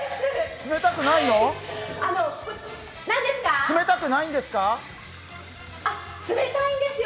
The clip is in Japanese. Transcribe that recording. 冷たくないんですか？